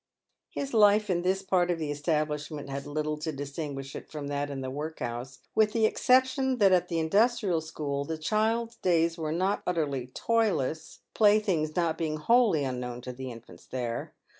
His life in this part of the establishment had little to distinguish it from that in the workhouse, with the exception that at the in dustrial school the child's days were not utterly toyless — play things not being wholly unknown to the infants there.